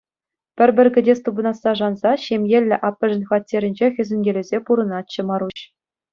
Пӗр-пӗр кӗтес тупӑнасса шанса ҫемьеллӗ аппӑшӗн хваттерӗнче хӗсӗнкелесе пурӑнатчӗ Маруҫ.